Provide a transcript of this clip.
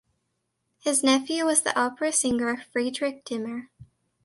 His nephew was the opera singer Friedrich Demmer.